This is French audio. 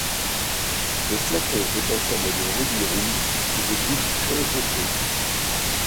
Le flacon est en forme de rubis rouge qui se couche sur le côté.